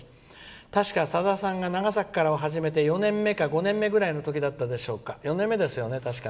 確かさださんが長崎からを始めて４年目か５年目の時でしょうか。